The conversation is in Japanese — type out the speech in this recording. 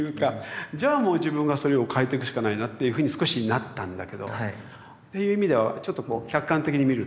じゃあもう自分がそれを変えていくしかないなっていうふうに少しなったんだけど。っていう意味ではちょっとこう客観的に見るということはね。